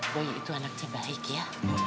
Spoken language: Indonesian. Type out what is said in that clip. boy itu anaknya baik ya